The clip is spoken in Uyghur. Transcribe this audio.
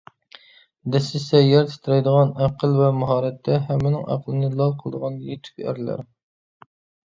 دەسسىسە يەر تىترەيدىغان، ئەقىل ۋە ماھارەتتە ھەممىنىڭ ئەقلىنى لال قىلىدىغان يېتۈك ئەرلەر